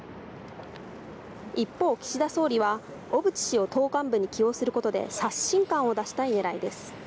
一方、岸田総理は小渕氏を党幹部に起用することで刷新感を出したいねらいです。